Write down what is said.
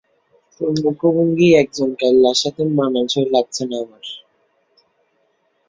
তোর মুখভঙ্গি একজন কাইল্লার সাথে মানানসই লাগছে না আমার।